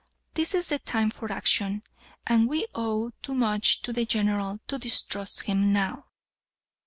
This is the time for action, and we owe too much to the General to distrust him now."